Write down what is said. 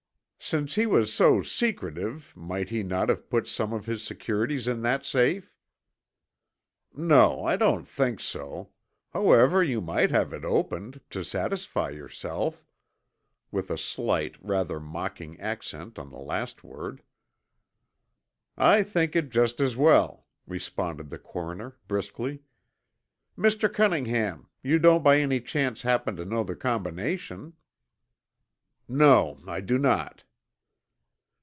"Since he was so secretive, might he not have put some of his securities in that safe?" "No, I don't think so. However, you might have it opened to satisfy yourself," with a slight, rather mocking accent on the last word. "I think it just as well," responded the coroner, briskly. "Mr. Cunningham, you don't by any chance happen to know the combination?" "No, I do not."